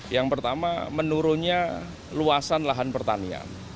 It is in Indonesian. yang pertama menurunnya luasan lahan pertanian